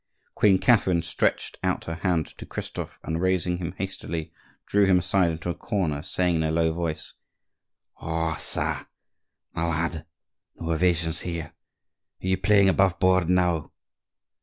Queen Catherine stretched out her hand to Christophe and, raising him hastily, drew him aside into a corner, saying in a low voice:— "Ah ca! my lad, no evasions here. Are you playing above board now?"